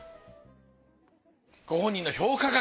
ご本人の評価額